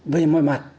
về mọi mặt